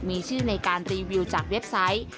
มีชื่อในการรีวิวจากเว็บไซต์